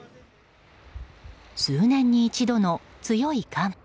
数年に一度の強い寒波。